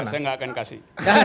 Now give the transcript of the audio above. saya tidak akan kasih